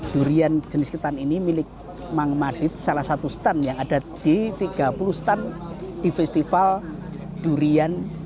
durian jenis ketan ini milik mang madit salah satu stand yang ada di tiga puluh stand di festival durian